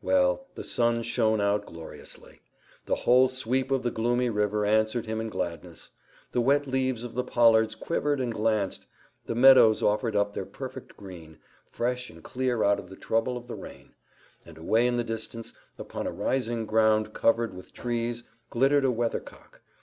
Well, the sun shone out gloriously. The whole sweep of the gloomy river answered him in gladness; the wet leaves of the pollards quivered and glanced; the meadows offered up their perfect green, fresh and clear out of the trouble of the rain; and away in the distance, upon a rising ground covered with trees, glittered a weathercock.